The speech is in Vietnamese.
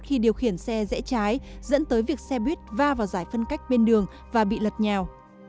khi điều khiển xe rẽ trái dẫn tới việc xe buýt va vào giải phân cách bên đường và bị lật nhào